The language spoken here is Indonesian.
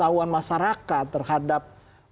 tahuan masyarakat terhadap